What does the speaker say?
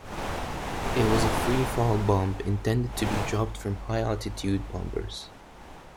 It was a free-fall bomb intended to be dropped from high-altitude bombers.